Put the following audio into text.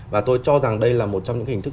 và tôi cho rằng đây là một trong những hình thức